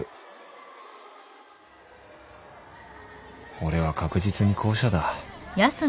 俺は確実に後者だ